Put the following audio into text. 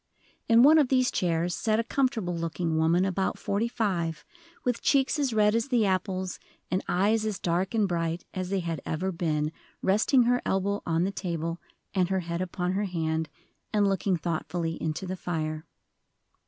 In one of these chairs sat a comfortable looking woman about forty five, with cheeks as red as the apples, and eyes as dark and bright as they had ever been, resting her elbow on the table and her head upon her hand, and looking thoughtfully into the fire.